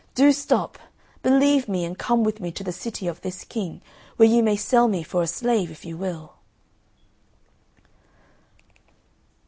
Do stop! Believe me, and come with me to the city of this King, where you may sell me for a slave if you will!"